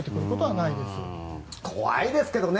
怖いですけどね。